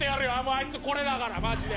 あいつこれだからマジで。